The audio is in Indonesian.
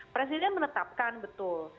presiden menetapkan betul